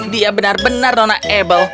dia benar benar nona able